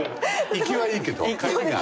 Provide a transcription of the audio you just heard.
行きはいいけど帰りが。